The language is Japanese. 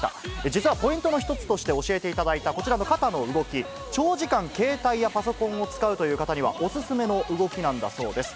実はポイントの一つとして教えていただいたこちらの肩の動き、長時間、携帯やパソコンを使うという方にはお勧めの動きなんだそうです。